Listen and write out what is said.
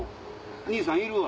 にいさんいるわ！